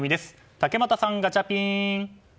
竹俣さん、ガチャピン！